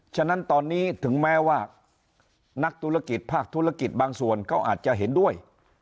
ฉะนั้นตอนนี้ถึงแม้ว่านักธุรกิจภาคธุรกิจบางส่วนก็อาจจะเห็นด้วย